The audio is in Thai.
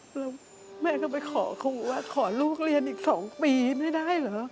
แล้วแม่ก็ไปขอครูว่าขอลูกเรียนอีก๒ปีไม่ได้เหรอ